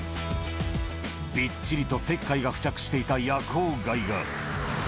びっちりと石灰が付着していた夜光貝が。